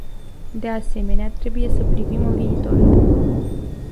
De asemenea, trebuie să privim în viitor.